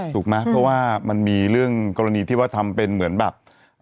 ถูกไหมเพราะว่ามันมีเรื่องกรณีที่ว่าทำเป็นเหมือนแบบ